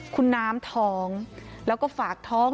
คุณน้ำท้องแล้วก็ฝากท้อง